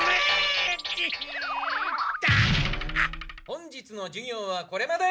本日の授業はこれまで。